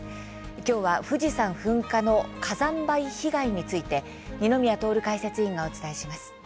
きょうは、富士山噴火の火山灰被害について二宮徹解説委員がお伝えします。